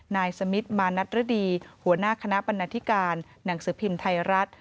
นายสมิทมานัทฤดีหัวหน้าคณะบรรณาธิการหนังสือพิมพ์ไทยรัฐ